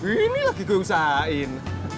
ini lagi gue usahain